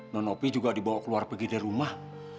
nonopi juga dibawa keluar pergi dari rumah